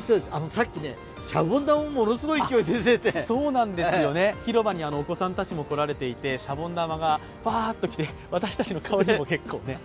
さっき、シャボン玉もものすごい勢いで出てきて、広場にお子さんたちも来られていて、シャボン玉がバーッときて私たちの顔にも結構きて。